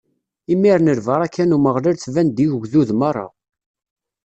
Imiren lbaṛaka n Umeɣlal tban-d i ugdud meṛṛa.